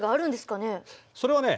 それはね